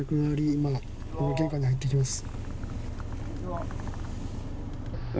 今、玄関に入っていきます。